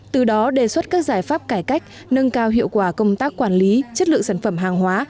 từ đó đề xuất các giải pháp cải cách nâng cao hiệu quả công tác quản lý chất lượng sản phẩm hàng hóa